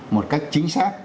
một cách chính xác